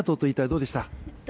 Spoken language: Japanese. どうでした？